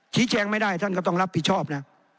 ชี้แจงไม่ได้ท่านก็ต้องรับผิดชอบนะ